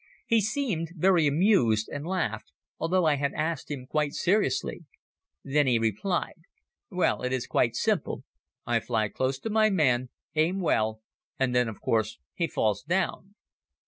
He seemed very amused and laughed, although I had asked him quite seriously. Then he replied: "Well it is quite simple. I fly close to my man, aim well and then of course he falls down."